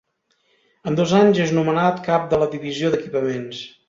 En dos anys és nomenat Cap de la divisió d'equipaments.